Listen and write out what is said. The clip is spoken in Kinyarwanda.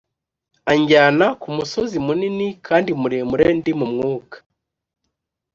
Anjyana ku musozi munini kandi muremure ndi mu Mwuka,